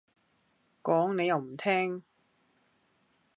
講你又唔聽